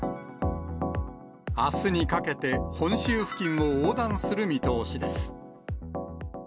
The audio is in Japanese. あすにかけて、本州付近を横断する見通しです。